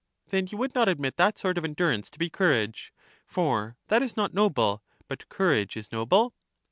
Then you would not admit that sort of endur ance to be courage — for that is not noble, but cour age is noble?